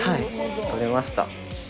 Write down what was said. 撮れました。